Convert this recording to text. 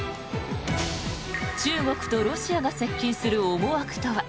中国とロシアが接近する思惑とは。